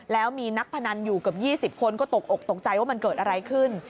แล้วมีนักพนันอยู่เกือบ๒๐คนก็ตกอกตกใจว่ามันเกิดอะไรขึ้น